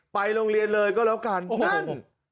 ไปโรงเรียนเลยก็แล้วกันนั่น